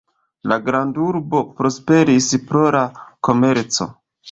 La grandurbo prosperis pro la komerco.